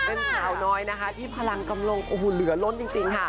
เป็นสาวน้อยนะคะที่พลังกำลังโอ้โหเหลือล้นจริงค่ะ